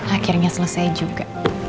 akhirnya selesai juga